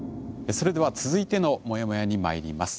それでは続いてのモヤモヤにまいります。